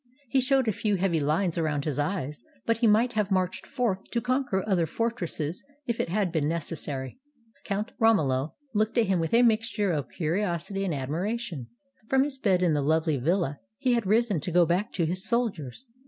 He showed a few heavy lines around his eyes, but he might have marched forth to conquer other fortresses if it had been necessary. 136 GARIBALDI AND HIS PRISONER Count Romoli looked at him with a mixture of curios ity and admiration. From his bed in the lovely villa he had risen to go back to his soldiers.